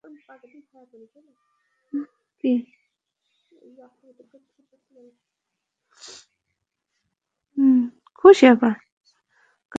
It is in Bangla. কারখানা চালিয়ে লাখ লাখ মানুষ হত্যা করা কি ন্যায়সঙ্গত?